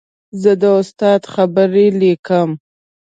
زه د استاد خبرې لیکم.